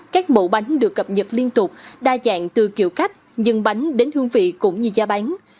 các mẫu bánh được cập nhật liên tục đa dạng từ kiểu cách dân bánh đến hương vị cũng như da bánh